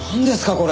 これ！